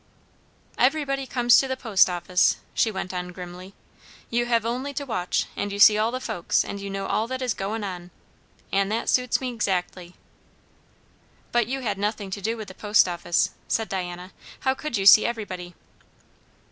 "Everybody comes to the post office," she went on grimly; "you hev' only to watch, and you see all the folks; and you know all that is goin' on. An' that suits me 'xactly." "But you had nothing to do with the post office," said Diana. "How could you see everybody?"